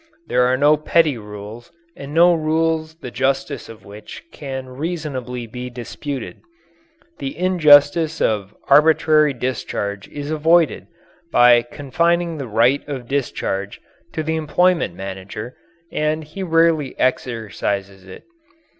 There are no petty rules, and no rules the justice of which can reasonably be disputed. The injustice of arbitrary discharge is avoided by confining the right of discharge to the employment manager, and he rarely exercises it.